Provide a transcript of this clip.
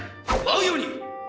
舞うように！